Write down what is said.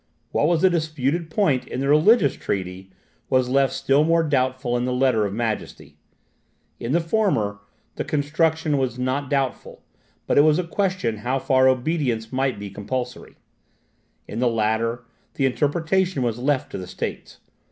What was a disputed point in the religious treaty, was left still more doubtful in the Letter of Majesty; in the former, the construction was not doubtful, but it was a question how far obedience might be compulsory; in the latter, the interpretation was left to the states.